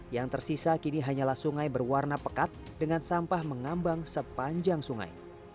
yang tersisa kini hanyalah sungai berwarna pekat dengan sampah mengambang sepanjang sungai